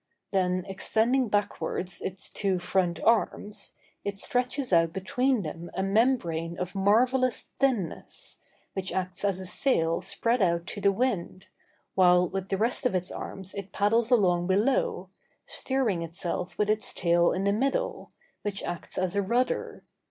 Then, extending backwards its two front arms, it stretches out between them a membrane of marvellous thinness, which acts as a sail spread out to the wind, while with the rest of its arms it paddles along below, steering itself with its tail in the middle, which acts as a rudder.